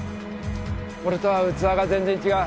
俺とは器が全然違う。